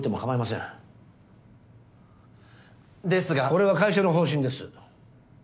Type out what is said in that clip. これは会社の方針です。